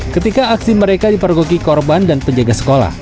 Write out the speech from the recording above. ketika aksi mereka dipergoki korban dan penjaga sekolah